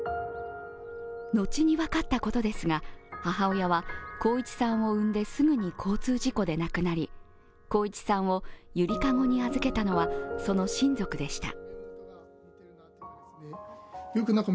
後に分かったことですが母親は航一さんを生んですぐに交通事故で亡くなり、航一さんをゆりかごに預けたのはその親族でした。